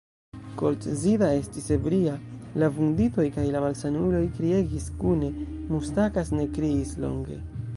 Koltzida estis ebria; la vunditoj kaj la malsanuloj kriegis kune; Mustakas ne kriis longe.